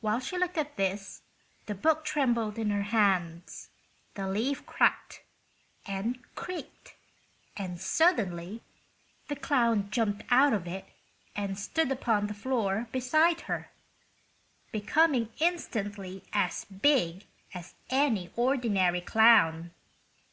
While she looked at this the book trembled in her hands, the leaf crackled and creaked and suddenly the clown jumped out of it and stood upon the floor beside her, becoming instantly as big as any ordinary clown.